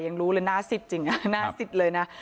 ยังรู้เลยน่าสิทธิ์จริงน่าสิทธิ์เลยนะ